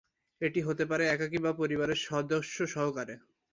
এটি হতে পারে একাকী বা পরিবারের সদস্য সহকারে।